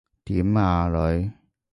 點呀，女？